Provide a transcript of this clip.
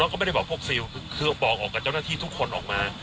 ก็ไม่ได้บอกพวกซิลคือบอกออกกับเจ้าหน้าที่ทุกคนออกมา